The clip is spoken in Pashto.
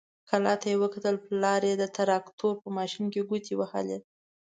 کلا ته يې وکتل، پلار يې د تراکتور په ماشين کې ګوتې وهلې.